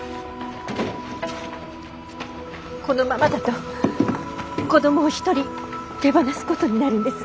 このままだと子供を一人手放すことになるんです。